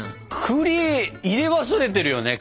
くり入れ忘れてるよね